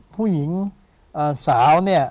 ผู้หญิงสาวเนี่ย